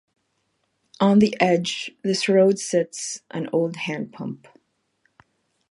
On the edge this road sits an old hand pump.